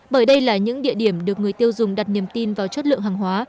bởi đây là những địa điểm được người tiêu dùng đặt niềm tin vào chất lượng hàng hóa